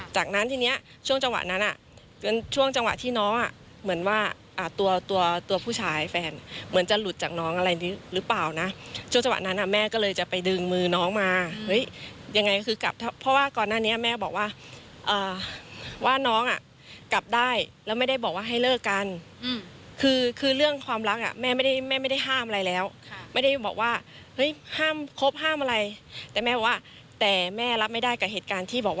จากนั้นที่เนี้ยช่วงจังหวะนั้นอ่ะช่วงจังหวะที่น้องอ่ะเหมือนว่าอ่าตัวตัวตัวผู้ชายแฟนเหมือนจะหลุดจากน้องอะไรนี้หรือเปล่านะช่วงจังหวะนั้นอ่ะแม่ก็เลยจะไปดึงมือน้องมาเฮ้ยยังไงก็คือกลับเพราะว่าก่อนหน้านี้แม่บอกว่าอ่าว่าน้องอ่ะกลับได้แล้วไม่ได้บอกว่าให้เลิกกันคือคือเรื่องความรัก